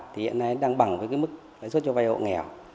thì hiện nay đang bằng với cái mức lãi suất cho vay hộ nghèo